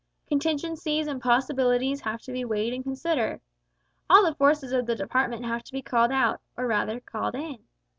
Contingencies and possibilities have to be weighed and considered. All the forces of the Department have to be called out, or rather called in.